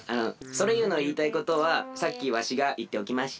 ソレイユのいいたいことはさっきわしがいっておきました。